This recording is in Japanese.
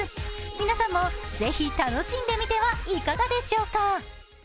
皆さんも是非、楽しんでみてはいかがでしょうか。